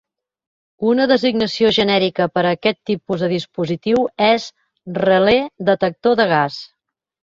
Una designació genèrica per a aquest tipus de dispositiu és "relé detector de gas".